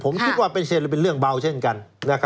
ผมคิดว่าเป็นเรื่องเบาเช่นกัน